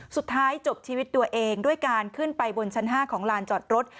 สุดท้ายจบชีวิตตัวเองด้วยการขึ้นไปบนชั้น๕ของลานจอดรถ